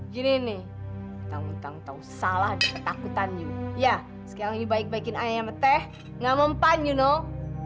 gini nih salah takutannya ya sekarang baik baikin ayam teh nggak mempan you know